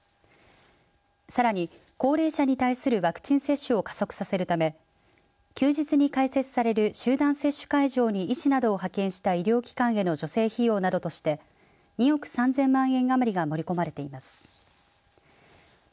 さらに高齢者に対するワクチン接種を加速させるため休日に開設される集団接種会場に医師など派遣した医療機関への助成費用などとして２億３０００万円余りが盛り込まれています。